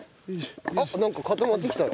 あっなんか固まってきたよ。